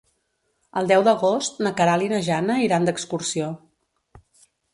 El deu d'agost na Queralt i na Jana iran d'excursió.